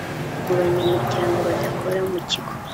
mu banyamuryango badakora mu kigo